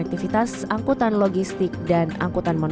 akibatnya infrastruktur tersebut tidak bergantung dengan keuntungan daerah